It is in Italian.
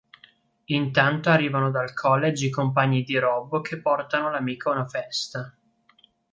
Intanto arrivano dal college i compagni di Rob che portano l'amico a una festa.